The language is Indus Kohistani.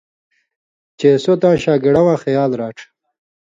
چے سو تاں شاگڑہ واں خیال راڇھ